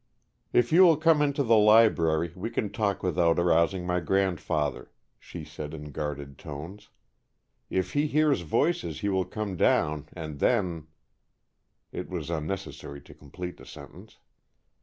"If you will come into the library, we can talk without arousing my grandfather," she said, in guarded tones. "If he hears voices he will come down, and then " It was unnecessary to complete the sentence.